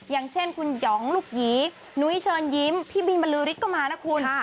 อย่างเช่นคุณหยองลูกหยีนุ้ยเชิญยิ้มพี่บินบรือฤทธิก็มานะคุณ